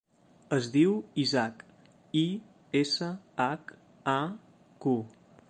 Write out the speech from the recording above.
Es diu Ishaq: i, essa, hac, a, cu.